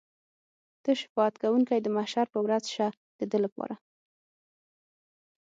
ته شفاعت کوونکی د محشر په ورځ شه د ده لپاره.